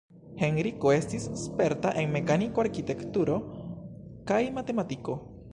Henriko estis sperta en mekaniko, arkitekturo kaj matematiko.